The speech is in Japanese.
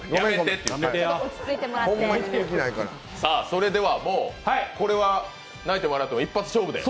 それではもう、これは泣いても笑っても一発勝負で。